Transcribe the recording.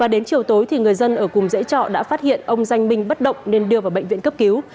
đến chiều tối người dân ở cùng dãy trọ đã phát hiện ông danh minh bất động nên đưa vào bệnh viện cấp cứu